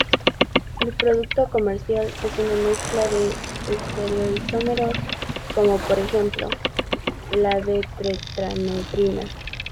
El producto comercial es una mezcla de estereoisómeros, como por ejemplo la d-Tetrametrina.